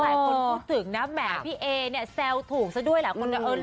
หลายคนพูดถึงนะแหมพี่เอเนี่ยแซวถูกซะด้วยหลายคนก็เออ